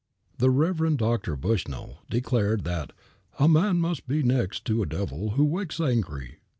The Rev. Dr. Bushnell declared that "a man must be next to a devil who wakes angry."